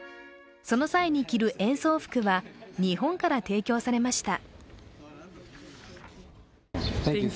その際に着る演奏服は日本から提供されました。